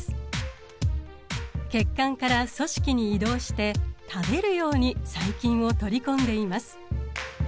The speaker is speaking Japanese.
血管から組織に移動して食べるように細菌を取り込んでいます。